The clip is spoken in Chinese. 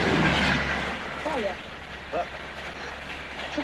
弗龙蒂尼昂德科曼热。